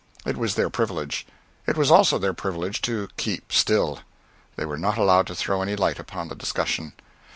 It was their privilege. It was also their privilege to keep still; they were not allowed to throw any light upon the discussion.